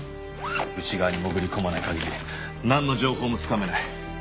内側に潜り込まない限りなんの情報もつかめない。